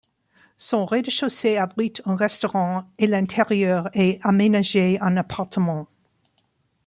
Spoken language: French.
Son rez-de-chaussée abrite un restaurant et l'intérieur est aménagé en appartements.